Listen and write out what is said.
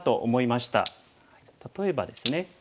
例えばですね